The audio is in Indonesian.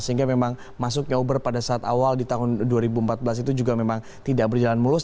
sehingga memang masuknya uber pada saat awal di tahun dua ribu empat belas itu juga memang tidak berjalan mulus